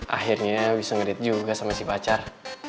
akhirnya bisa ngedit juga sama si pacar